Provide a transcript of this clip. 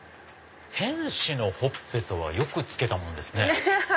天使のほっぺとはよく付けたもんですね。